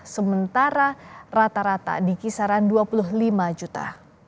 sementara rata rata di kisaran dua puluh lima juta